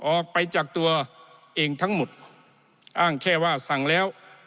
ออกไปจากตัวเองทั้งหมดอ้างแค่ว่าสั่งแล้ว